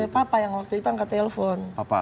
papa yang waktu itu angkat telepon